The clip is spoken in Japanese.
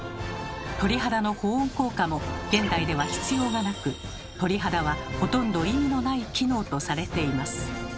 鳥肌の保温効果も現代では必要がなく鳥肌はほとんど意味のない機能とされています。